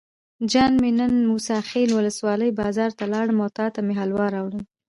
جان مې نن موسی خیل ولسوالۍ بازار ته لاړم او تاته مې حلوا راوړل.